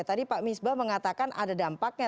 tadi pak misbah mengatakan ada dampaknya